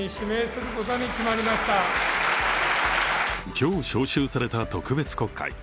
今日召集された特別国会。